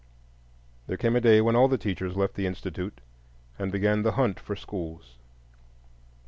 There came a day when all the teachers left the Institute and began the hunt for schools.